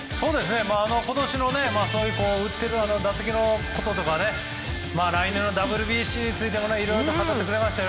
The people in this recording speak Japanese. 今年の打ってる打席のこととか来年のＷＢＣについてもいろいろ答えてくれましたよ